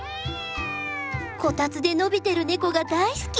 こたつで伸びてるネコが大好き！